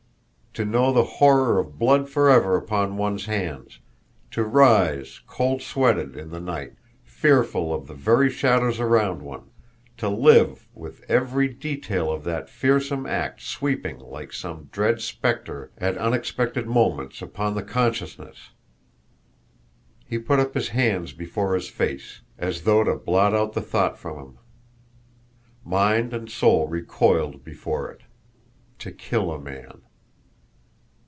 To know the horror of blood forever upon one's hands, to rise, cold sweated, in the night, fearful of the very shadows around one, to live with every detail of that fearsome act sweeping like some dread spectre at unexpected moments upon the consciousness! He put up his hands before his face, as though to blot out the thought from him. Mind and soul recoiled before it to kill a man!